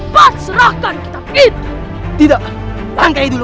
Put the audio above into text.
pasrahkan kita tidak langsung dulu